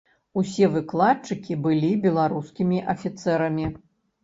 Усе выкладчыкі былі беларускімі афіцэрамі.